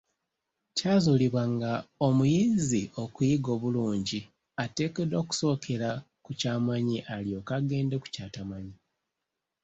Kyazuulibwa nga omuyizi okuyiga obulungi, ateekeddwa kusookera ku kyamanyi alyoke agende ku kyatamanyi.